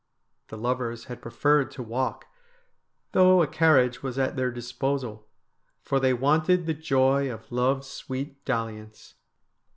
The lovers had preferred to walk, though a carriage was at their disposal, for they wanted the joy of ' Love's sweet dalliance.'